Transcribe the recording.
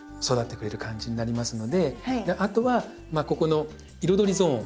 あとはここの彩りゾーン